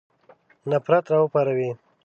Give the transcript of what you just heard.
نفرت را وپاروي.